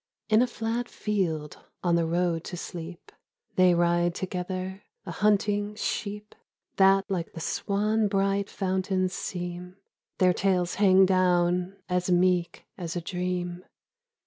In a flat field on the road to Sleep They ride together, a hunting sheep That like the swan bright fountains seem; Their tails hang down as meek as a dream.